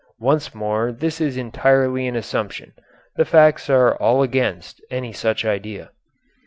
Once more this is entirely an assumption. The facts are all against any such idea.